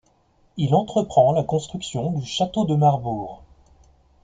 Il entreprend la construction du château de Marbourg.